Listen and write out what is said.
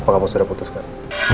apa kamu sudah putuskan